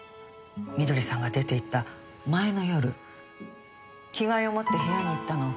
美登里さんが出ていった前の夜着替えを持って部屋に行ったの。